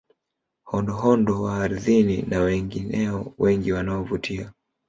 Hondohondo wa ardhini na wengineo wengi wanaovutia